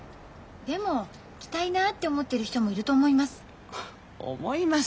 でも着たいなって思ってる人もいると思います。